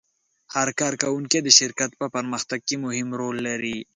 هر کارکوونکی د شرکت په پرمختګ کې مهم رول لري.